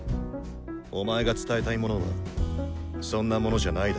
お前が伝えたいものはそんなものじゃないだろう？